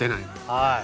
はい。